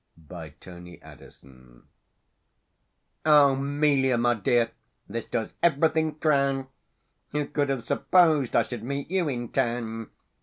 THE RUINED MAID "O 'Melia, my dear, this does everything crown! Who could have supposed I should meet you in Town?